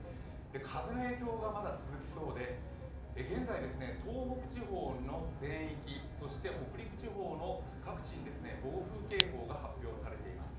風の影響がまだ続きそうで現在、東北地方の全域、そして北陸地方の各地に暴風警報が発表されています。